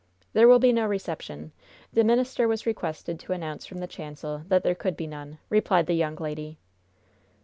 "There will be no reception. The minister was requested to announce from the chancel that there could be none," replied the young lady.